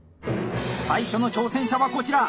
最初の挑戦者はこちら！